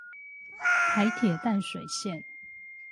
台鐵淡水線